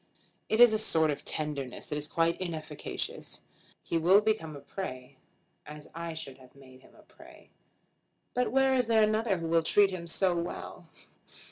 It is a sort of tenderness that is quite inefficacious. He will become a prey, as I should have made him a prey. But where is there another who will treat him so well?"